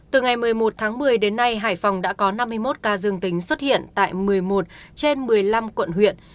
từ ngày một mươi một tháng một mươi đến nay hải phòng đã có năm mươi một ca dương tính xuất hiện tại một mươi một trên một mươi năm quận huyện